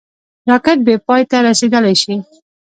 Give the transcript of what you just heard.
راکټ بېپای ته رسېدلای شي